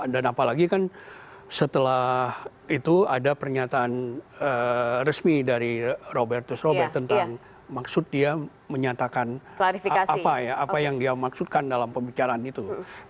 dan apalagi kan setelah itu ada pernyataan resmi dari robertus robert tentang maksud dia menyatakan apa yang dia maksudkan dalam pembicaraan itu